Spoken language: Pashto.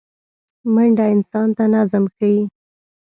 منډه انسان ته نظم ښيي